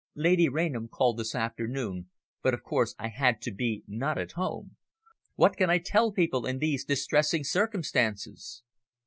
Lady Rainham called this afternoon, but of course I had to be not at home. What can I tell people in these distressing circumstances?"